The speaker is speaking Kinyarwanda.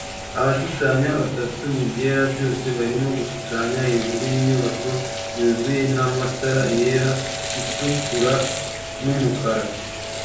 Abashushanya batatu mubyera byose barimo gushushanya hejuru yinyubako yuzuyena matara yera itukura numukara